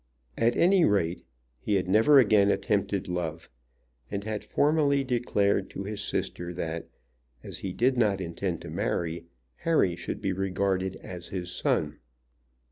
At any rate, he had never again attempted love, and had formally declared to his sister that, as he did not intend to marry, Harry should be regarded as his son.